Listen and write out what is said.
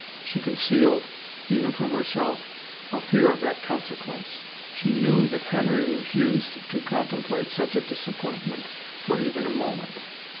She concealed, even from herself, a fear of that consequence. She knew that Henry refused to contemplate such a disappointment for even a moment.